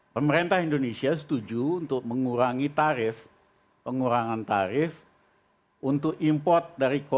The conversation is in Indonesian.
pemerintah indonesia setuju untuk mengurangi tarif pengurangan tarif untuk import